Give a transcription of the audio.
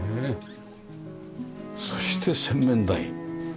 そして洗面台。